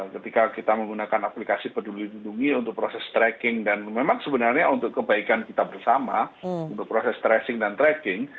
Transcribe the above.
ketika kita menggunakan aplikasi peduli lindungi untuk proses tracking dan memang sebenarnya untuk kebaikan kita bersama untuk proses tracing dan tracking